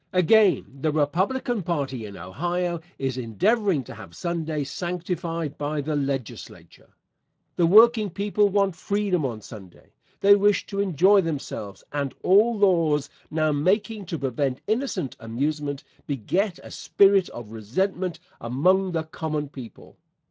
Again, the Republican party in Ohio is endeavoring to have Sunday sanctified by the Legislature. The working people want freedom on Sunday. They wish to enjoy themselves, and all laws now making to prevent innocent amusement, beget a spirit of resentment among the common people.